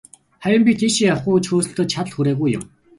Харин би тийшээ явахгүй гэж хөөцөлдөөд, чадал хүрээгүй юм.